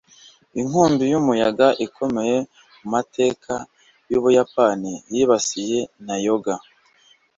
inkubi y'umuyaga ikomeye mu mateka y'ubuyapani yibasiye nagoya